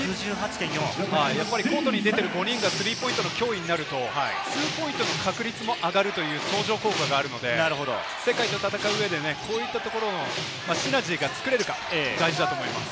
コートに出てる５人がスリーポイントの脅威になると、ツーポイントの確率も上がるという、相乗効果があるので、世界と戦う上でこういったところもシナジーが作れるか、大事だと思います。